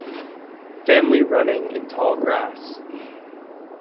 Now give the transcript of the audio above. Family running in tall grass